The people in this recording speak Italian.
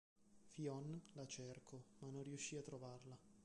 Fionn la cerco, ma non riuscì a trovarla.